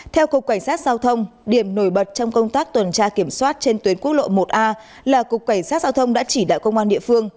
theo cục cảnh sát giao thông điểm nổi bật trong công tác tuần tra kiểm soát trên tuyến quốc lộ một a là cục cảnh sát giao thông đã chỉ đạo công an địa phương